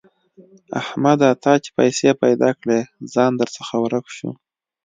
احمده! تا چې پيسې پیدا کړې؛ ځان درڅخه ورک شو.